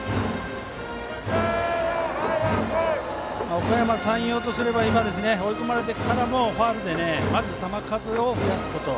おかやま山陽とすれば今、追い込まれてからもファウルでまず球数を増やすこと。